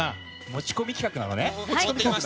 持ち込み企画なのね。